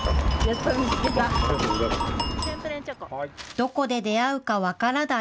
どこで出会うか分からない